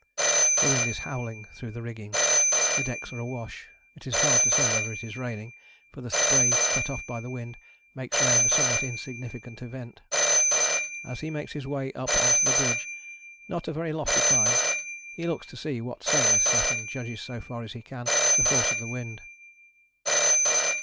The wind is howling through the rigging, the decks are awash. It is hard to say whether it is raining, for the spray cut off by the wind makes rain a somewhat insignificant event. As he makes his way up on to the bridge, not a very lofty climb, he looks to see what sail is set, and judges so far as he can the force of the wind.